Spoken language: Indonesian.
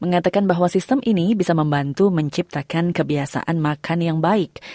mengatakan bahwa sistem ini bisa membantu menciptakan kebiasaan makan yang baik